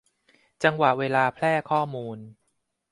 จังหวะเวลาแพร่ข้อมูล